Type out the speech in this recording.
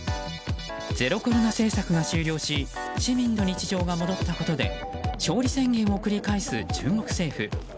ゼロコロナ政策が終了し市民の日常が戻ったことで勝利宣言を繰り返す中国政府。